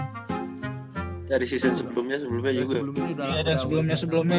dari season sebelumnya sebelumnya juga